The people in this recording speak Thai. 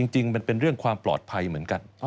จริงมันเป็นเรื่องความปลอดภัยเหมือนกัน